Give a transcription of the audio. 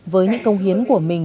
với những công hiến của mình